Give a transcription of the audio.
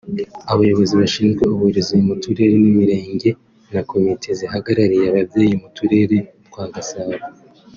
abayobozi bashinzwe uburezi mu turere n’imirenge na komite zihagarariye ababyeyi mu turere twa Gasabo